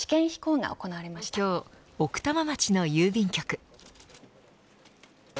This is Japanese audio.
今日、奥多摩町の郵便局。